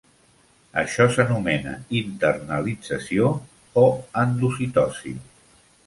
Això s'anomena internalització o endocitosi.